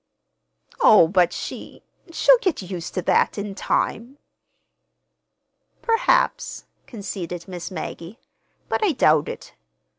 "Oh, but she—she'll get used to that, in time." "Perhaps," conceded Miss Maggie, "but I doubt it.